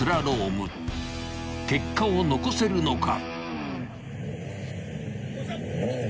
［結果を残せるのか］